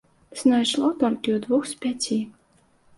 Знайшло толькі ў двух з пяці.